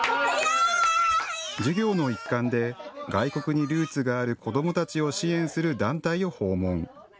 授業の一環で外国にルーツがある子どもたちを支援する団体を訪問。